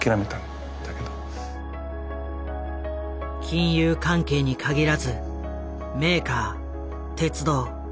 金融関係に限らずメーカー鉄道。